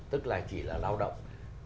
tức là chỉ là lao động